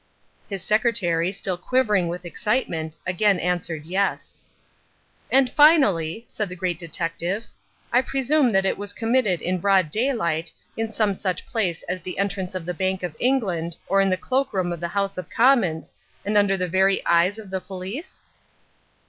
His secretary, still quivering with excitement, again answered yes. "And finally," said the Great Detective, "I presume that it was committed in broad daylight, in some such place as the entrance of the Bank of England, or in the cloak room of the House of Commons, and under the very eyes of the police?"